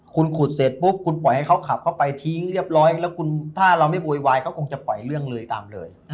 คุณขุดเสร็จปุ๊บคุณปล่อยให้เขาขับเข้าไปทิ้งเรียบร้อยแล้วคุณถ้าเราไม่โวยวายเขาคงจะปล่อยเรื่องเลยตามเลย